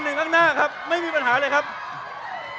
คุณจิลายุเขาบอกว่ามันควรทำงานร่วมกัน